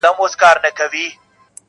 • کوم ظالم چي مي غمی را څه پټ کړی..